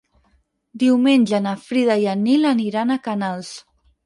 Diumenge na Frida i en Nil aniran a Canals.